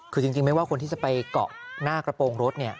คือจริงไหมว่าคนที่ไปเกาะหน้ากระโปรงรถ